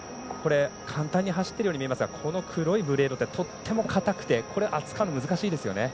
簡単に走ってるように見えますが黒いブレードとても硬くて扱うのが難しいですよね。